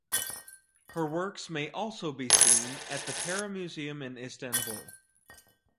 Her works may also be seen at the Pera Museum in Istanbul.